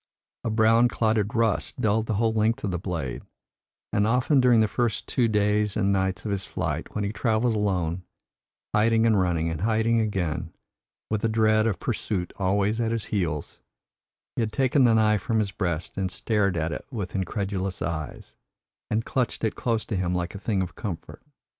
A brown clotted rust dulled the whole length of the blade, and often during the first two days and nights of his flight, when he travelled alone, hiding and running and hiding again, with the dread of pursuit always at his heels, he had taken the knife from his breast, and stared at it with incredulous eyes, and clutched it close to him like a thing of comfort.